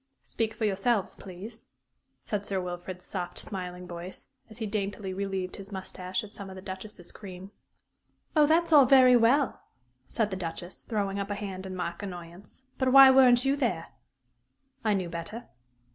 "Speak for yourselves, please," said Sir Wilfrid's soft, smiling voice, as he daintily relieved his mustache of some of the Duchess's cream. "Oh, that's all very well," said the Duchess, throwing up a hand in mock annoyance; "but why weren't you there?" "I knew better."